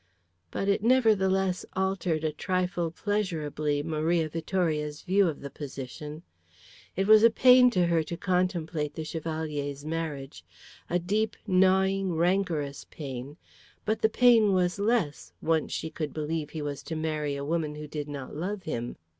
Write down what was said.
But it nevertheless altered a trifle pleasurably Maria Vittoria's view of the position. It was pain to her to contemplate the Chevalier's marriage, a deep, gnawing, rancorous pain, but the pain was less, once she could believe he was to marry a woman who did not love him.